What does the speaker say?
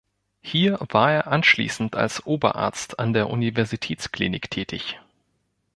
Hier war er anschließend als Oberarzt an der Universitätsklinik tätig.